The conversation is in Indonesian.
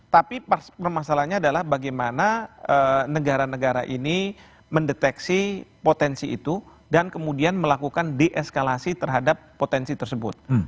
tapi permasalahannya adalah bagaimana negara negara ini mendeteksi potensi itu dan kemudian melakukan deeskalasi terhadap potensi tersebut